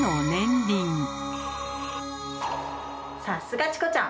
さすがチコちゃん！